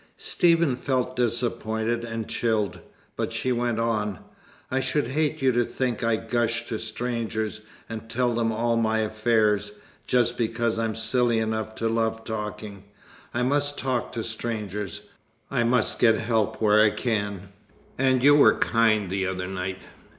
Stephen felt disappointed and chilled. But she went on. "I should hate you to think I gush to strangers, and tell them all my affairs, just because I'm silly enough to love talking. I must talk to strangers. I must get help where I can. And you were kind the other night.